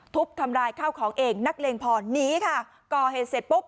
ทุบทำลายข้าวของเองนักเลงพรหนีค่ะก่อเหตุเสร็จปุ๊บ